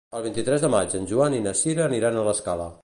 El vint-i-tres de maig en Joan i na Sira aniran a l'Escala.